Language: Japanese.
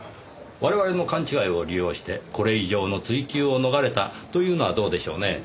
我々の勘違いを利用してこれ以上の追及を逃れたというのはどうでしょうね？